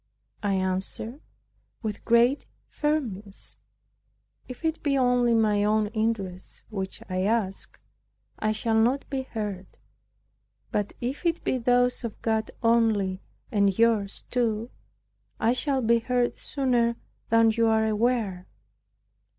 I answered with great firmness, "If it be only my own interests which I ask, I shall not be heard; but if it be those of God only, and yours too, I shall be heard sooner than you are aware."